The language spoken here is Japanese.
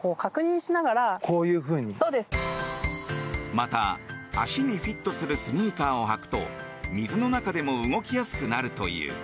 また、足にフィットするスニーカーを履くと水の中でも動きやすくなるという。